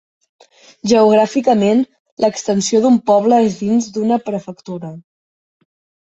Geogràficament, l'extensió d'un poble és dins d'una prefectura.